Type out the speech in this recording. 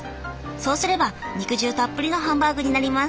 そうすれば肉汁たっぷりのハンバーグになります。